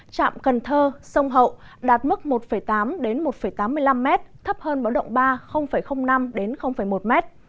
trạm cần thơ sông hậu đạt mức một tám một tám mươi năm m thấp hơn bão động ba năm đến một m